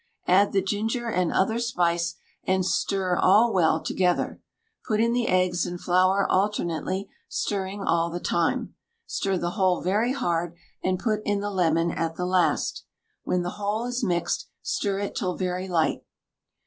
Add the ginger and other spice, and stir all well together. Put in the eggs and flour alternately, stirring all the time. Stir the whole very hard, and put in the lemon at the last. When the whole is mixed, stir it till very light.